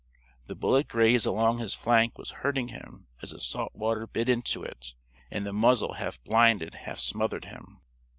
The bullet graze along his flank was hurting him as the salt water bit into it, and the muzzle half blinded, half smothered him.